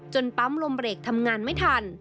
ปั๊มลมเบรกทำงานไม่ทัน